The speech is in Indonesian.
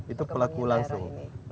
itu pelaku langsung